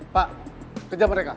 pak kejap mereka